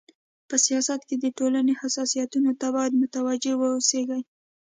په سیاست کي د ټولني حساسيتونو ته بايد متوجي و اوسيږي.